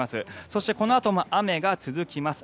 そしてこのあとも雨が続きます。